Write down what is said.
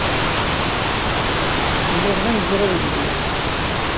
Lliɣ d amezraw n diri.